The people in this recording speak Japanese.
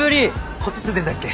こっち住んでんだっけ？